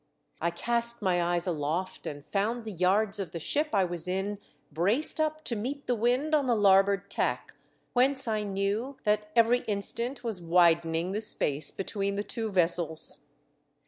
I cast my eyes aloft, and found the yards of the ship I was in braced up to meet the wind on the larboard tack, whence I knew that every instant was widening the space between the two vessels.